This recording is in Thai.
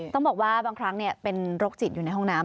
ต้องบอกว่าบางครั้งเป็นโรคจิตอยู่ในห้องน้ำ